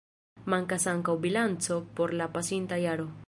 Mankas ankaŭ bilanco por la pasinta jaro.